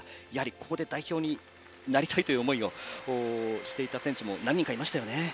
ここで代表になりたいという思いをしていた選手も何人かいましたよね。